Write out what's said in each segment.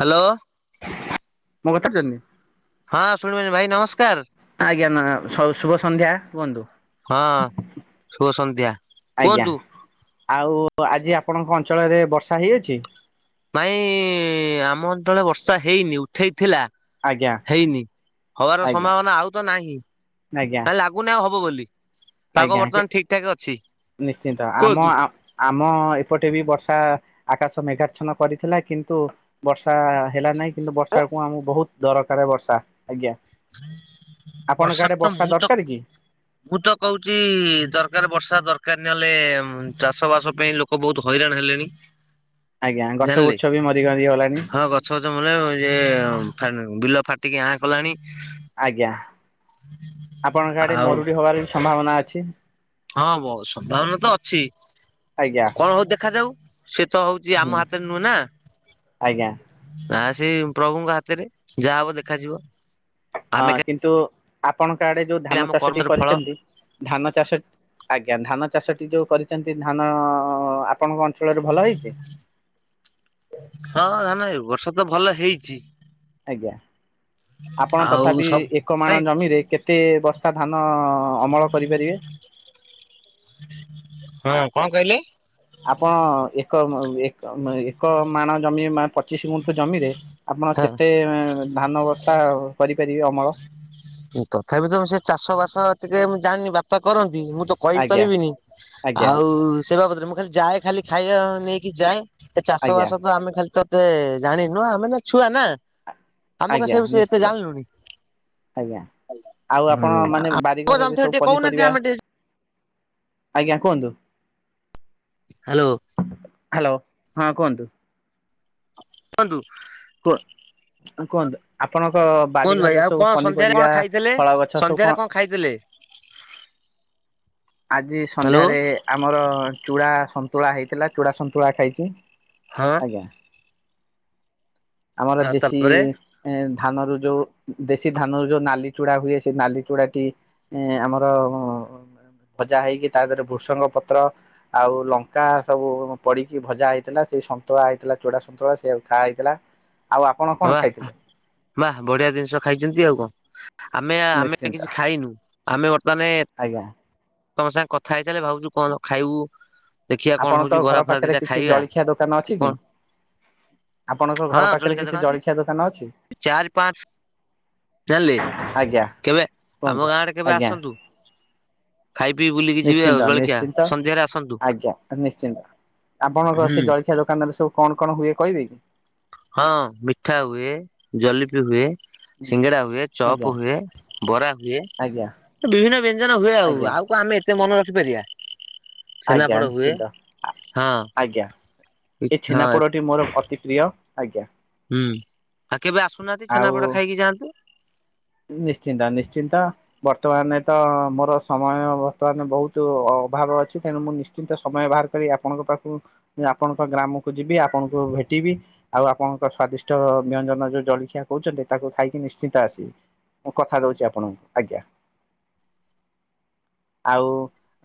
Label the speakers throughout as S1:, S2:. S1: Hello.
S2: ମୋ କଥା ଶୁଣିପରୁଛନ୍ତି? [unintelligible]
S1: ହଁ ଶୁଣିପାରୁଛି ଭାଇ ନମସ୍କାର।
S2: ଆଜ୍ଞା ନା ଶୁ -ଶୁଭସନ୍ଧ୍ୟା କୁହନ୍ତୁ।
S1: ଶୁଭସନ୍ଧ୍ୟା
S2: ଆଜ୍ଞା
S1: କୁହନ୍ତୁ।
S2: ଆଉ ଆଜି ଆପଣଙ୍କ ଅଞ୍ଚଳରେ ବର୍ଷା ହେଇଅଛି?
S1: ଭାଇ ଆମ ଅଞ୍ଚଳରେ ବର୍ଷା ହେଇନି ଉଠେଇଥିଲା?
S2: ଆଜ୍ଞା
S1: ହେଇନି ହବାର
S2: ଆଜ୍ଞା
S1: ସମ୍ଭାବନା ଆଉ ତ ନାହିଁ
S2: ଆଜ୍ଞା
S1: ହେଲା? ଲାଗୁନି ଆଉ ହବ ବୋଲି ପାଗ
S2: ଆଜ୍ଞା
S1: ବର୍ତ୍ତମାନ ଠିକ୍ ଠାକ୍ ଅଛି?
S2: ନିଶ୍ଚିନ୍ତ ଆମ
S1: କୁହନ୍ତୁ।
S2: ଆ ଆମ ଏପଟେ ବି ବର୍ଷା ଆକାଶ ମେଘାଚ୍ଛନା କରିଥିଲା କିନ୍ତୁ? ବର୍ଷା ହେଲା ନାହିଁ କିନ୍ତୁ ବର୍ଷା କୁ ଆମକୁ ବୋହୁତ୍ ଦରକାରେ ବର୍ଷା ଆଜ୍ଞା। ଆପଣଙ୍କ
S1: ବର୍ଷା
S2: ଆଡେ
S1: କୁ ତ ମୁଁ ତ
S2: ଦରକାର କି?
S1: ମୁଁ ତ କୋହୁଚି ଦରକାର ବର୍ଷା ଦରକାର ନହେଲେ ଚାଷ ବାସ ପାଇଁ ଲୋକ ବୋହୁତ୍ ହଇରାଣ ହେଲେଣି?
S2: ଆଜ୍ଞା ଗଛ ବୁଛ ବି ମରିିମରି ଗଲାଣି?
S1: ସହଜମ ଲା ଇଏ ହଁ [unintelligible] ବିଲ ଫାଟିକି ଆଁ କଲାଣି
S2: ଆଜ୍ଞା ଆପଣଙ୍କ ଆଡେ
S1: ଆଉ
S2: ମରୁଡି ହବାରେ ସମ୍ଭାବନା ଅଛି।
S1: ହଁ ବହୁ ସମ୍ଭାବନା ତ ଅଛି
S2: ଆଜ୍ଞା
S1: କଣ ହୋଉଚି ଦେଖାଯାଉ? ସେ ତ ହୋଉଚି
S2: ହୁଁ
S1: ଆମ ହାତରେ ନୁହେଁ ନା?
S2: ଆଜ୍ଞା।
S1: ନା ସେ ପ୍ରଭୁଙ୍କ ହାତରେ ଯାହା ହବ ଦେଖାଯିବ?
S2: ହଁ
S1: ଆମେ
S2: କିନ୍ତୁ ଆପଣଙ୍କ ଆଡେ ଯୋଉ
S1: ଖାଲି
S2: ଧାନ
S1: ଆମ
S2: ଚାଷଟି
S1: କର୍ମର ଫଳ
S2: କରିଚନ୍ତି? ଧାନ ଚାଷ ଟି ଆଜ୍ଞା ଧାନ ଚାଷଟି ଯୋଉ କରିଚନ୍ତି ଧାନ? ଆପଣଙ୍କ ଅଞ୍ଚଳରେ ଭଲ ହେଇଚି?
S1: ହଁ ଧାନ ଏ ବର୍ଷା ତ ଭଲ ହେଇଚି?
S2: ଆଜ୍ଞା ଆପଣ
S1: ଆଉ
S2: ତଥାପି
S1: ସବୁ
S2: ଏକ ମାଣ
S1: ଭାଇ
S2: ଜମିରେ କେତେ ବସ୍ତା ଧାନ ଅମଳ କରିପାରିବେ?
S1: ହଁ କଣ କହିଲେ?
S2: ଆପଣ ଏକ ମ ଏକ ଏକ ମାଣ ଜମି ମା ପଚିଶି ଗୁଣ୍ଠୁ ଜମିରେ ଆପଣ
S1: ହଁ
S2: କେତେ ଧାନ ବସ୍ତା କରିପାରିବେ ଅମଳ?
S1: ତଥାପି ତ ସେ ଚାଷ ବାସ ଟିକେ ମୁ ଜାଣିନି ବାପା କରନ୍ତି ମୁଁ ତ
S2: ଆଜ୍ଞା
S1: କହିପାରିବିନି
S2: ଆଜ୍ଞା
S1: ଆଉ ସେ ବାବଦରେ ମୁଁ ଯାଏ ଖାଲି ଖାଇବା ନେଇକି ଯାଏ? ଏ ଚାଷ
S2: ଆଜ୍ଞା
S1: ବାସ ତ ଆମେ ଖାଲି ତତେ ଜାଣିନୁ ଆମେ ତ ଛୁଆ ନା? ଆମ କ ସେ
S2: ଆଜ୍ଞା
S1: ବିଷୟ ରେ ଏତେ
S2: ନିଶ୍ଚିତ
S1: ଜାଣିଲୁଣି?
S2: ଆଜ୍ଞା ଆଉ ଆପଣ
S1: ହୁଁ
S2: ମାନେ
S1: ଆପଣ
S2: ବାରିଘରରେ
S1: ଜାଣିଥିବେ
S2: ସବୁ
S1: ଟିକେ କହୁନାହାନ୍ତି
S2: ପନିପରିବା
S1: ଆମେ ଟିକେ
S2: ଆଜ୍ଞା କୁହନ୍ତୁ?
S1: ହ୍ୟାଲୋ।
S2: ହ୍ୟାଲୋ ହଁ କୁହନ୍ତୁ?
S1: କୁହନ୍ତୁ?
S2: କୁଅ କୁହନ୍ତୁ? ଆପଣଙ୍କ
S1: କୁହନ୍ତୁ ଭାଇ
S2: ବାରିଘରେରେ
S1: ଆଉ
S2: ସବୁ
S1: କଣ ସନ୍ଧ୍ୟାରେ କଣ
S2: ପନିପରିବା
S1: ଖାଇଥିଲେ
S2: ଫଳ ଗଛ ସବୁ
S1: ସନ୍ଧ୍ୟାରେ
S2: କଣ?
S1: ଖାଇଥିଲେ?
S2: ଆଜି
S1: ହ୍ୟାଲୋ।
S2: ସନ୍ଧ୍ୟାରେ ଆମର ଚୂଡ଼ା ସନ୍ତୁଳା ହେଇଥିଲା ଚୁଡା ସନ୍ତୁଳା ଖାଇଚି?
S1: ହଁ
S2: ଆଜ୍ଞା। ଆମର
S1: ଆଉ
S2: ଦେଶୀ
S1: ତାପରେ
S2: ଏ ଧାନ ରୁ ଯୋଉ ଦେଶୀ ଧାନ ରୁ ଯୋଉ ନାଲି ଚୁଡା ହୁଏ ସେ ନାଲି ଚୁଡାଟି? ଏ ଆମର ଭଜା ହେଇକି ତା ଦେହରେ ଭୃଷଙ୍ଗ ପତ୍ର ଆଉ ଲଙ୍କା ସବୁ ପଡିକି ଭଜା ହେଇଥିଲା ସେଇ ସନ୍ତୁଳା ହେଇଥିଲା ଚୂଡା ସନ୍ତୁଳା ସେଉ ଖାଆ ହେଇଥିଲା? ଆଉ ଆ
S1: ହ ବା ବାଃ ବଢିଆ ଜିନିଷ ଖାଇଚନ୍ତି ଆଉ କଣ? ଆମେ ଆମେ ତ
S2: ନିଶ୍ଚିନ୍ତ
S1: କିଛି ଖାଇନୁ ଆମେ ବର୍ତ୍ତମାନେ
S2: ଆଜ୍ଞା।
S1: ତମ ସାଙ୍ଗେ କଥା ହେଇସାରିଲେ ଭାବୁଚୁ କଣ ଖାଇବୁ? ଦେଖିବା କଣ
S2: ଆପଣଙ୍କ
S1: ହଉଛି ବରା
S2: ଘର
S1: ଫରା
S2: ପାଖରେ
S1: ଦିଟା
S2: କିଛି
S1: ଖାଇବା
S2: ଜଳଖିଆ ଦୋକାନ ଅଛି କି? ଆପଣଙ୍କ
S1: ହଁ
S2: ଘର ପାଖରେ କିଛି
S1: ଦୋକାନ ଅଛି।
S2: ଜଳଖିଆ ଦୋକାନ ଅଛି?
S1: ଚାରି ପାଞ୍ଚ ଜାଣିଲେ,
S2: ଆଜ୍ଞା
S1: କେବେ
S2: କୁହନ୍ତୁ
S1: ଆମ ଗାଁରେ କେବେ
S2: ଆଜ୍ଞା
S1: ଆସନ୍ତୁ। ଖାଇ ପିଇ ବୁଲିକି ଯିବେ ଆଉ
S2: ନିଶ୍ଚିନ୍ତ,
S1: ଜଳଖିଆ
S2: ନିଶ୍ଚିନ୍ତ,
S1: ସନ୍ଧ୍ୟାରେ ଆସନ୍ତୁ।
S2: ଆଜ୍ଞା, ନିଶ୍ଚିନ୍ତ। ଆପଣଙ୍କ
S1: ହୁଁ।
S2: ସେ ଜଳଖିଆ ଦୋକାନରେ ସବୁ କଣ, କଣ ହୁଏ କହିବେ କି?
S1: ହଁ ମିଠା ହୁଏ, ଜଲେପି ହୁଏ ସିଙ୍ଗଡ଼ା ହୁଏ,
S2: ଆଜ୍ଞା
S1: ଚପ ହୁଏ, ବରା ହୁଏ।
S2: ଆଜ୍ଞା
S1: ବିଭିନ୍ନ ବ୍ୟଞ୍ଜନ ହୁଏ ଆଉ
S2: ଆଜ୍ଞା
S1: ଆଉ କଣ ଆମେ ଏତେ ମନେ ରଖିପାରିବା।
S2: ଆଜ୍ଞା
S1: ଛେନାପୋଡ ହୁଏ
S2: ନିଶ୍ଚିନ୍ତ ଆ
S1: ହଁ
S2: ଆଜ୍ଞା ଏ ଛେନା
S1: ହଁ
S2: ପୋଡଟି ମୋର ଅତି ପ୍ରିୟ। ଆଜ୍ଞା।
S1: ହୁଁ ଆଉ କେବେ ଆସୁନାହାନ୍ତି ଛେନାପୋଡ
S2: ଆଉ
S1: ଖାଇକି ଯାଆନ୍ତୁ।
S2: ନିଶ୍ଚିନ୍ତ ନିଶ୍ଚିନ୍ତ। ବର୍ତ୍ତମାନ ତ ମୋର ସମୟ ବର୍ତ୍ତମାନ ବହୁତ ଅଭାବ ଅଛି ତେଣୁ ମୁଁ ନି ନିଶ୍ଚିନ୍ତ ସମୟ ବାହାର କରି ଆପଣଙ୍କ ପାଖକୁ ଆପଣଙ୍କ ଗ୍ରାମକୁ ଯିବି ଆପଣଙ୍କୁ ଭେଟିବି। ଆଉ ଆପଣଙ୍କ ସ୍ଵାଦିଷ୍ଟ ବ୍ୟଞ୍ଜନ ଯୋଉ ଜଳଖିଆ କହୁଛନ୍ତି ତାକୁ ଖାଇକି ନିଶ୍ଚିନ୍ତ ଆସିବି। ମୁଁ କଥା ଦଉଛି ଆପଣଙ୍କୁ ଆଜ୍ଞା। ଆଉ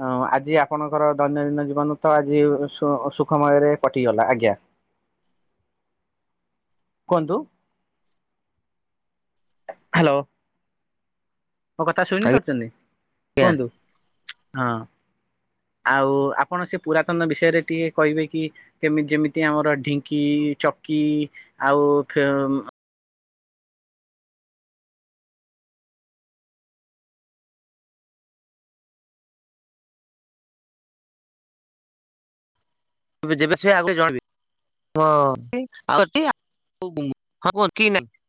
S2: ଅ ଆଜି ଆପଣଙ୍କର ଦୈନନ୍ଦିନ ଜୀବନ ତ ଆଜି ସୁ ସୁଖମୟରେ କଟିଗଲା ଆଜ୍ଞା। କୁହନ୍ତୁ। ହ୍ୟାଲୋ ମୋ କଥା ଶୁଣି ପାରୁଛନ୍ତି
S1: ଆଜ୍ଞା
S2: କୁହନ୍ତୁ? ହଁ ଆଉ ଆପଣ ସେ ପୁରାତନ ବିଷୟରେ ଟିକେ କହିବେ କି? କେମତି ଯେମିତି ଆମର ଢିଙ୍କି ଚକି ଆଉ
S1: ଯେବେ ଆସିବେ ଆଗେ ଜଣେଇବେ। [unintelligible]